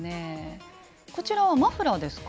こちらはマフラーですか？